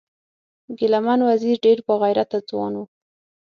ګلمن وزیر ډیر با غیرته ځوان و